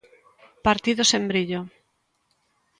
Partido sen brillo.